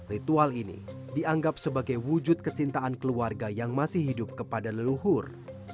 ritual ini dianggap sebagai wujud kecintaan keluarga yang masih hidup kepada leluhur